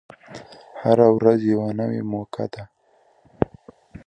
هره ورځ یوه نوی موقع ده.